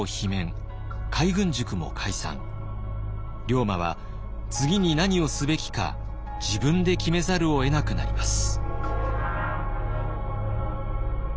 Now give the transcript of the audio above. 龍馬は次に何をすべきか自分で決めざるをえなくなります。